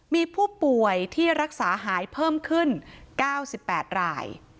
มีผู้ป่วยที่รักษาหายเพิ่มขึ้น๙๘ราย